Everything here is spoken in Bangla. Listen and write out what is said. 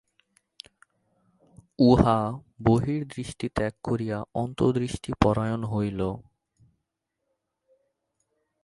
উহা বহির্দৃষ্টি ত্যাগ করিয়া অন্তর্দৃষ্টিপরায়ণ হইল।